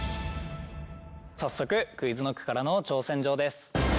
早速ＱｕｉｚＫｎｏｃｋからの挑戦状です。